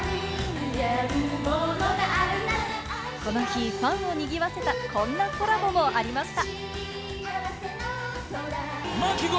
この日、ファンを賑わせた、こんなコラボもありました。